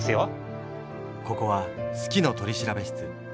ここは「好きの取調室」。